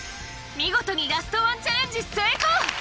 見事にラストワンチャレンジ成功！